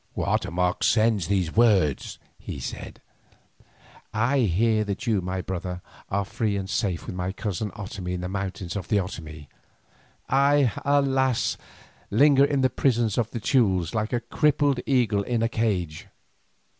"Guatemoc sends these words," he said; "I hear that you, my brother, are free and safe with my cousin Otomie in the mountains of the Otomie. I, alas! linger in the prisons of the Teules like a crippled eagle in a cage.